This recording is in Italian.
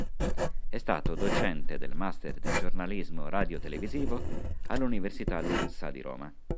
È stato docente del master di giornalismo radiotelevisivo all'Università Lumsa di Roma.